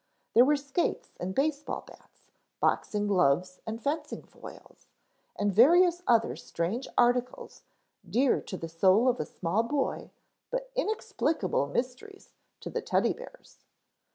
There were skates and baseball bats, boxing gloves and fencing foils, and various other strange articles, dear to the soul of a small boy, but inexplicable mysteries to Teddy bears.